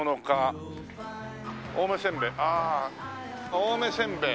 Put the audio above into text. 「青梅せんべい」